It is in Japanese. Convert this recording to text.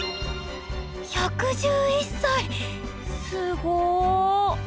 １１１歳⁉すご！